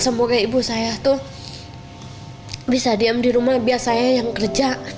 semoga ibu saya tuh bisa diam di rumah biar saya yang kerja